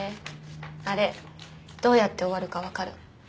あれどうやって終わるか分かる？